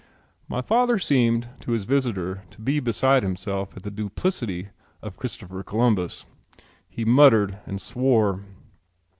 My father seemed to his visitor to be beside himself at the duplicity of Christopher Columbus. He muttered and swore.